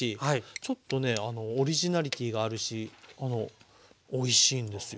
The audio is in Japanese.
ちょっとねオリジナリティーがあるしおいしいんですよ。